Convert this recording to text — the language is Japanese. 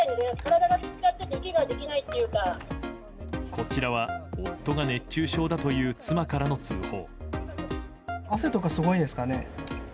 こちらは夫が熱中症だという妻からの通報。